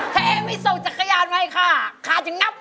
ถ้าเองไม่ส่งจักรยานไปข้าจะงับเอง